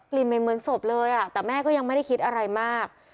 ไม่เหมือนศพเลยแต่แม่ก็ยังไม่ได้คิดอะไรมาก